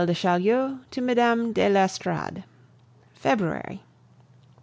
DE CHAULIEU TO MME. DE L'ESTORADE February.